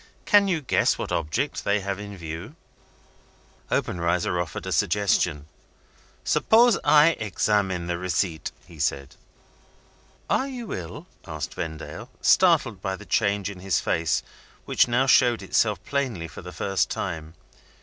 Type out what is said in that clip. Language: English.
Can you guess what object they have in view?" Obenreizer offered a suggestion. "Suppose I examine the receipt?" he said. "Are you ill?" asked Vendale, startled by the change in his face, which now showed itself plainly for the first time.